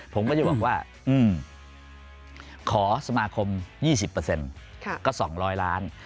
ผมก็จะบอกว่าขอสมาคม๒๐ก็๒๐๐ล้าน